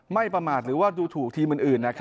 ประมาทหรือว่าดูถูกทีมอื่น